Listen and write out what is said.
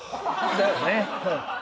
だよね。